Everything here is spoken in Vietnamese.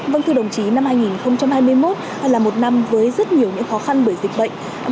vâng thưa đồng chí năm hai nghìn hai mươi một hay là một năm với rất nhiều những khó khăn bởi dịch bệnh